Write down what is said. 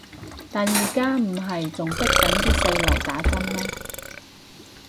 但而家唔係仲迫緊啲細路打針咩